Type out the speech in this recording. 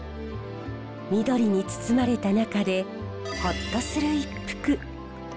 緑に包まれた中でほっとする一服。